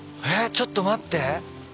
ちょっと待って。